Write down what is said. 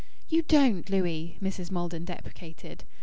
"You don't, Louis!" Mrs. Maldon deprecated.